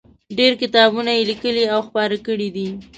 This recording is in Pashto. ډېر کتابونه یې لیکلي او خپاره کړي دي.